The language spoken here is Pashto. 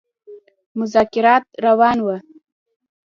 مذاکرات روان وه.